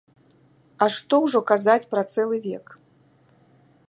А што ўжо казаць пра цэлы век.